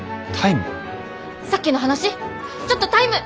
さっきの話ちょっとタイム！